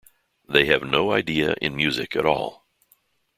They have no idea in music at all.